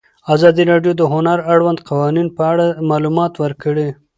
ازادي راډیو د هنر د اړونده قوانینو په اړه معلومات ورکړي.